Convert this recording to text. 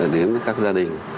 đến với các gia đình